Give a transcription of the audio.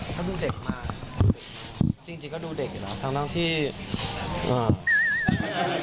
ถ้าดูเด็กมาจริงก็ดูเด็กนะทั้งที่อ่า